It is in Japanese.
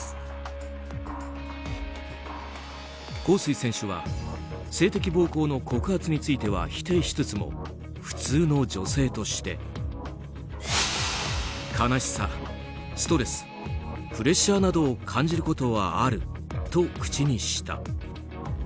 ホウ・スイ選手は性的暴行の告発については否定しつつも普通の女性として悲しさ、ストレスプレッシャーなどを感じることはあると口にした。